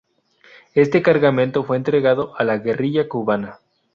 Este cargamento fue entregado a la guerrilla cubana.